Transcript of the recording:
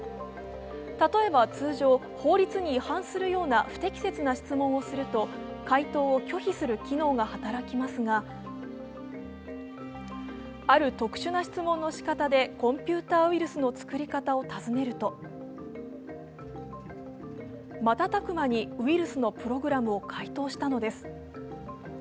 例えば通常、法律に違反するような不適切な質問をすると回答を拒否する機能が働きますが、ある特殊な質問のしかたでコンピューターウイルスの作り方を尋ねると瞬く間にウイルスのプログラムを回答したのです。